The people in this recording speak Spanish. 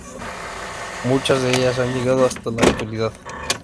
Muchas de ellas han llegado hasta la actualidad.